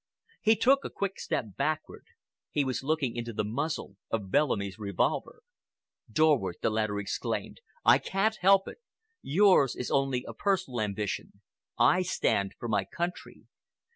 He took a quick step backward,—he was looking into the muzzle of Bellamy's revolver. "Dorward," the latter exclaimed, "I can't help it! Yours is only a personal ambition—I stand for my country.